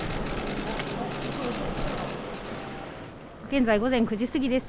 現在、午前９時過ぎです。